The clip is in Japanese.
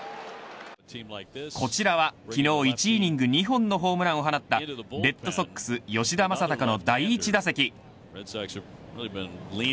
こちらは、昨日１イニング２本のホームランを放ったレッドソックス吉田正尚の第１打席。